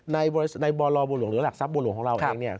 ในบอลบลวงหรือหลักทรัพย์บลวงของเราเอง